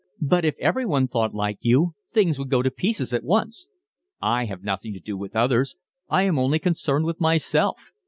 "But if everyone thought like you things would go to pieces at once." "I have nothing to do with others, I am only concerned with myself.